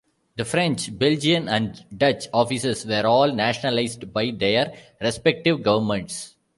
The French, Belgian and Dutch offices were all nationalised by their respective Governments.